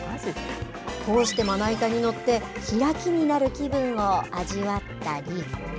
こうしてまな板に乗ってヒラキになる気分を味わったり。